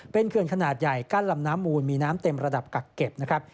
เป็นเขื่อนขนาดใหญ่กั้นลำน้ำมูลมีน้ำเต็มระดับกักเก็บนะครับ